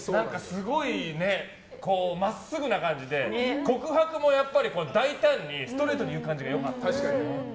すごい、真っすぐな感じで告白も大胆にストレートに言う感じがよかった。